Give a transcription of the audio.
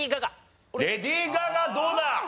レディー・ガガどうだ？